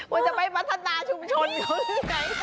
ว่าจะไปพัฒนาชุมชนเขาใช่ไหม